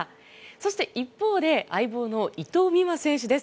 そして、一方で相棒の伊藤美誠選手です。